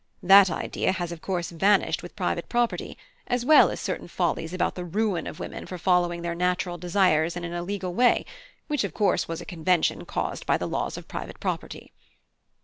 That idea has of course vanished with private property, as well as certain follies about the 'ruin' of women for following their natural desires in an illegal way, which of course was a convention caused by the laws of private property.